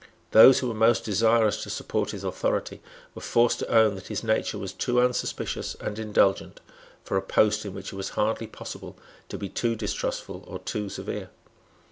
Those who were most desirous to support his authority were forced to own that his nature was too unsuspicious and indulgent for a post in which it was hardly possible to be too distrustful or too severe.